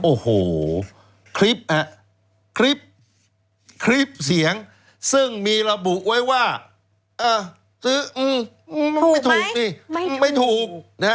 โอ้โหคลิปเสียงซึ่งมีระบุไว้ว่าไม่ถูก